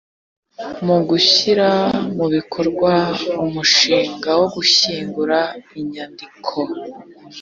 mu gushyira mu bikorwa umushinga wo gushyingura inyandiko